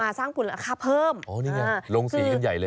นี่อย่างนะลงสีขั้นใหญ่เลย